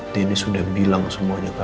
dennis udah bilang semuanya ke aku